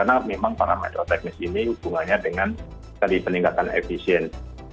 karena memang parameter teknis ini hubungannya dengan sekali peningkatan efisien